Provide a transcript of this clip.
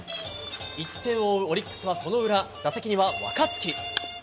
１点を追うオリックスはその裏、打席には若月。